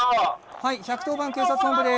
はい１１０番警察本部です。